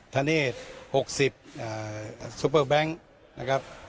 ทะเนศหกสิบอ่าซุปเปอร์แบงค์นะครับ